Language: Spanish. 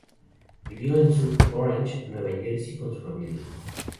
Vivió en South Orange, Nueva Jersey con su familia.